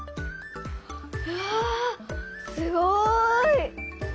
うわすごい！